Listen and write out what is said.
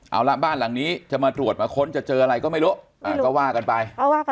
เอาละบ้านหลังนี้จะมาตรวจมาค้นจะเจออะไรก็ไม่รู้ก็ว่ากันไป